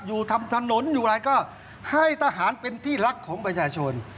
อยู่ทำถนนอยู่อะไรก็ให้ทหารเป็นที่รักของประชาชน